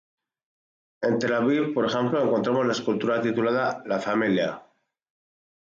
En Tel aviv por ejemplo encontramos la escultura titulada La familia.